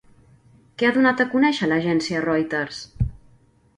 Què ha donat a conèixer l'agència Reuters?